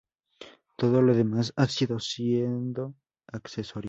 Todo lo demás ha ido siendo accesorio.